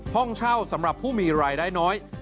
ห้องเช่าสำหรับผู้มีรายได้น้อย